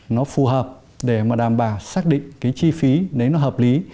nó phù hợp để mà đảm bảo xác định cái chi phí nếu nó hợp lý